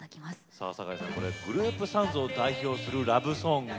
さあ酒井さんこれグループサウンズを代表するラブソング